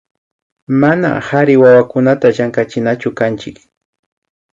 Mana kari wawakunata llankachinachukanchik